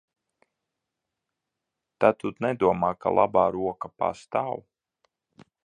"Tad tu nedomā, ka "Labā roka" pastāv?"